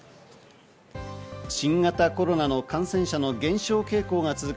新型コロナの感染者の減少傾向が続く